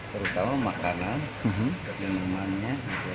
terutama makanan dan umumannya